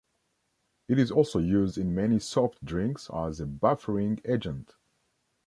It is also used in many soft drinks as a buffering agent.